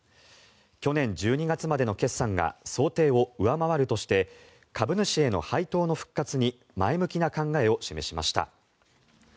去年１２月までの決算が想定を上回るとして株主への配当の復活に前向きな考えを示しました。